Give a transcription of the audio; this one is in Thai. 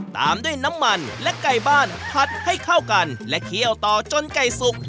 ตามด้วยน้ำมันและไก่บ้านผัดให้เข้ากันและเคี่ยวต่อจนไก่สุก